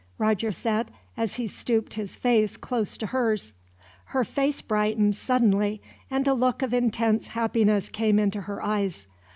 Roger said, as he stooped his face close to hers. Her face brightened suddenly, and a look of intense happiness came into her eyes.